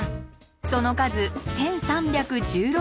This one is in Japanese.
その数１，３１６段。